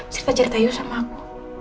cerita ceritain yuk sama aku